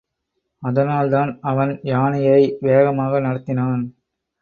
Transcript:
அதனால்தான் அவன் யானையை வேகமாக நடத்தினான்.